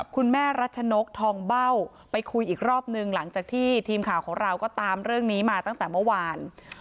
คุณแม่รัชนกทองเบ้าไปคุยอีกรอบนึงหลังจากที่ทีมข่าวของเราก็ตามเรื่องนี้มาตั้งแต่เมื่อวาน